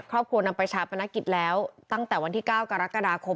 ครอบครัวนำไปชาปนักกิจแล้วตั้งแต่วันที่เก้ากรกฎาคม